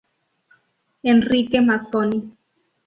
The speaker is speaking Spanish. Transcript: Enrique Mosconi.